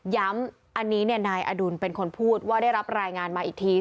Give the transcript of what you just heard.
อันนี้นายอดุลเป็นคนพูดว่าได้รับรายงานมาอีกที